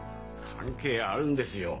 関係あるんですよ。